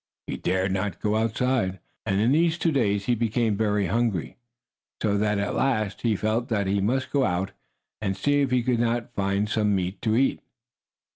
He dared not go outside. And in these two days he became very hungry, so that at last he felt that he must go out and see if he could not find some meat to eat.